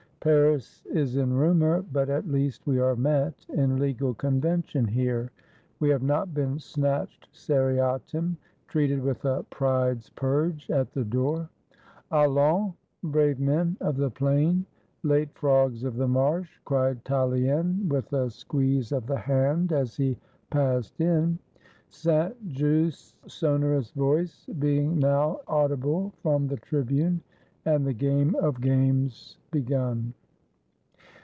Paris is in rumor: but at least, we are met, in Legal Convention here; we have not been snatched seriatim; treated with a Pride's Purge at the door. " Allons, brave men of the Plain, late Frogs of the Marsh !" cried Tallien, with a squeeze of the hand, 334 THE FALL OF ROBESPIERRE as he passed in; Saint Just's sonorous voice being now audible from the Tribune, and the game of games begun.